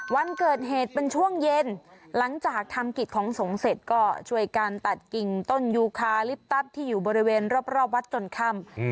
วันเกิดเหตุเป็นช่วงเย็นหลังจากทำกิจของสงฆ์เสร็จก็ช่วยกันตัดกิ่งต้นยูคาลิปตัสที่อยู่บริเวณรอบวัดจนค่ำ